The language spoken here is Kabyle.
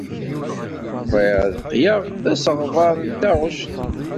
Bɣiɣ ad qqleɣ d asegbar n taɣect.